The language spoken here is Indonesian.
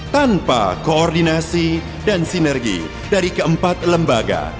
tanpa koordinasi dan sinergi dari keempat lembaga